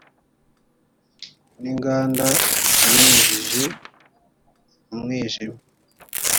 n inganda ibinyujije mu mwijima